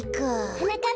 はなかっ